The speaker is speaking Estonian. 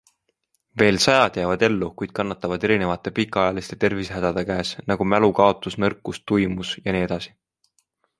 Veel sajad jäävad ellu, kuid kannatavad erinevate pikaajaliste tervisehädade käes nagu mälukaotus, nõrkus, tuimus jne.